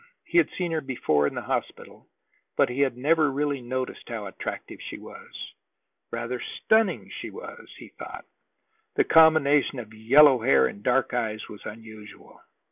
He had seen her before in the hospital, but he had never really noticed how attractive she was. Rather stunning she was, he thought. The combination of yellow hair and dark eyes was unusual.